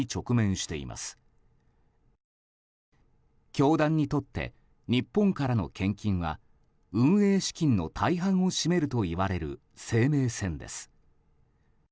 教団にとって日本からの献金は運営資金の大半を占めるといわれる生命線です。